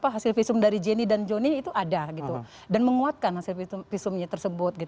hasil visum dari jenny dan jonny itu ada gitu dan menguatkan hasil visumnya tersebut